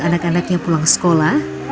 anak anaknya pulang sekolah